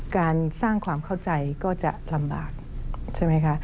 การสร้างความเข้าใจก็จะลำบาก